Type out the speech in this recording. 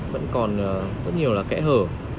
vẫn còn rất nhiều là kẽ hở